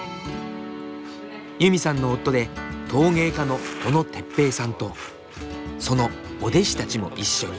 ユミさんの夫で陶芸家の小野哲平さんとそのお弟子たちも一緒に。